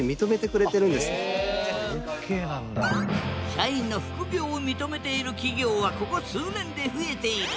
社員の副業を認めている企業はここ数年で増えている。